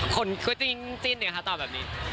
คนคุยจิ้นเนี่ยค่ะตอบแบบนี้